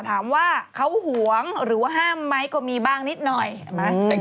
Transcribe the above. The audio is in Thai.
ถามว่าเขาหวงหรือว่าห้ามไหมก็มีบ้างนิดหน่อยเห็นไหม